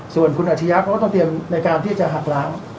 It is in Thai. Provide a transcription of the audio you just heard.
ส่วนคุณอาชียะเขาก็ต้องเตรียมในการที่จะหักล้าง